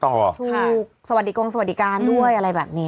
ถูกสวัสดีกรงสวัสดิการด้วยอะไรแบบนี้